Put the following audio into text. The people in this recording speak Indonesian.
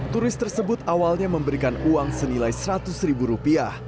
turis tersebut awalnya memberikan uang senilai seratus ribu rupiah